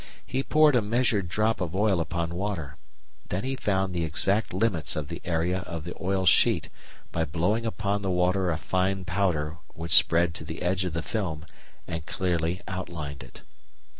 He poured a measured drop of oil upon water. Then he found the exact limits of the area of the oil sheet by blowing upon the water a fine powder which spread to the edge of the film and clearly outlined it.